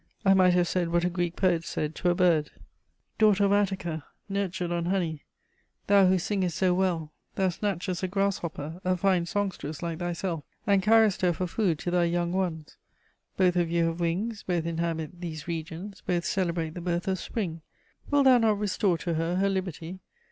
I might have said what a Greek poet said to a bird: "Daughter of Attica, nurtured on honey, thou who singest so well, thou snatchest a grasshopper, a fine songstress like thyself, and carriest her for food to thy young ones. Both of you have wings, both inhabit these regions, both celebrate the birth of spring: wilt thou not restore to her her liberty?